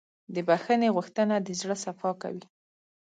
د بښنې غوښتنه د زړه صفا کوي.